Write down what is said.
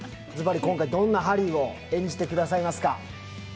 今回どんなハリーを演じてくださいますか？